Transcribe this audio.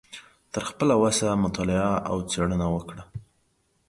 تر خپله وسه مطالعه او څیړنه وکړه